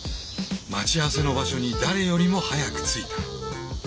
待ち合わせの場所に誰よりも早く着いた。